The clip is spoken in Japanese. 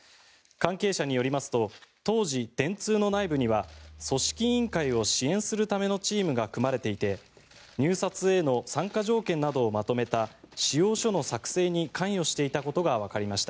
関係者によりますと当時、電通の内部には組織委員会を支援するためのチームが組まれていて入札への参加条件などをまとめた仕様書の作成に関与していたことがわかりました。